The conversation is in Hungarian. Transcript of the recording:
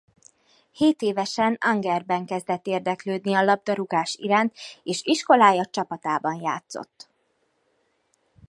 Hétévesen Angerben kezdett érdeklődni a labdarúgás iránt és iskolája csapatában játszott.